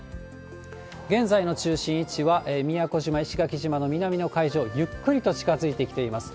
現在の中心位置は宮古島、石垣島の南の海上をゆっくりと近づいてきています。